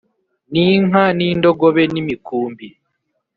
N inka n indogobe n imikumbi